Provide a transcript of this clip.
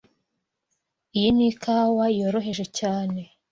Iyi ni ikawa yoroheje cyane.